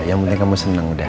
yang penting kamu seneng udah